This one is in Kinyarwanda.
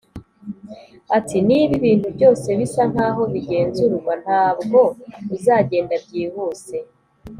ati: "niba ibintu byose bisa nkaho bigenzurwa, ntabwo uzagenda byihuse